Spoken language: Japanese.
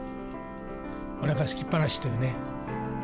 おなかすきっぱなしというね。